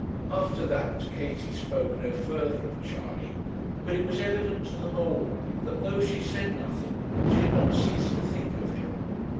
After that Katie spoke no further of Charley. But it was evident to them all, that though she said nothing, she had not ceased to think of him.